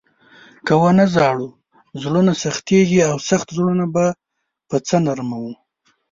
که و نه ژاړو، زړونه سختېږي او سخت زړونه به په څه نرموو؟